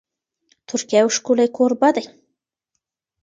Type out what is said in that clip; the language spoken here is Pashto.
ترکیه یو ښکلی کوربه دی.